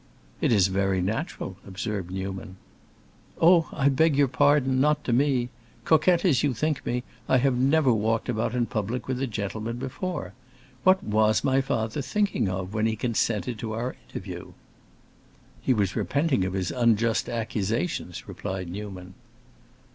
"It is very natural," observed Newman. "Oh, I beg your pardon; not to me. Coquette as you think me, I have never walked about in public with a gentleman before. What was my father thinking of, when he consented to our interview?" "He was repenting of his unjust accusations," replied Newman.